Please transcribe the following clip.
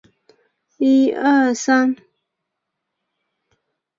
肿柄杜英为杜英科杜英属下的一个种。